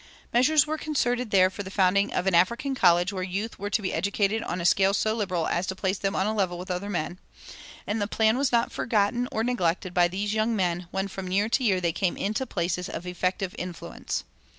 Measures were concerted there for the founding of "an African college where youth were to be educated on a scale so liberal as to place them on a level with other men";[271:2] and the plan was not forgotten or neglected by these young men when from year to year they came into places of effective influence.